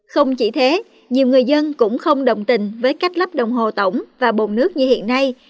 không chỉ thế nhiều người dân cũng không đồng tình với cách lắp đồng hồ tổng và bồn nước như hiện nay